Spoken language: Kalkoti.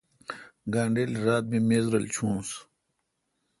گانڈل رات می میز رل چونس۔